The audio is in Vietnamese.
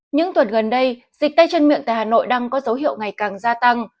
những tuần gần đây dịch tay chân miệng tại hà nội đang có dấu hiệu ngày càng gia tăng